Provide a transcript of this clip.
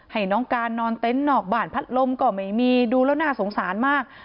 ให้น้องการนอนเต็นต์นอกบ้านพัดลมก็ไม่มีดูแล้วน่าสงสารมาก